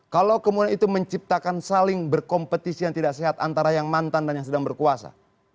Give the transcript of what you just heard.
kalau kemudian itu menciptakan saling berkompetisi yang tidak sehat antara yang mantan dan yang sedang berkuasa